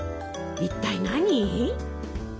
一体何？